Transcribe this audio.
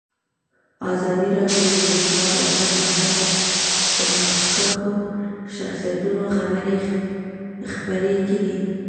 ازادي راډیو د د کار بازار په اړه د مخکښو شخصیتونو خبرې خپرې کړي.